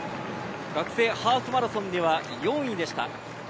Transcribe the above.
学生ハーフマラソンでは４位でした。